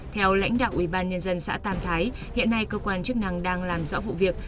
theo lãnh đạo ủy ban nhân dân xã tam thái hiện nay cơ quan chức năng đang làm rõ vụ việc